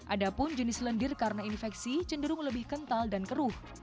ada pun jenis lendir karena infeksi cenderung lebih kental dan keruh